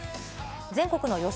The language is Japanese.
全国の予想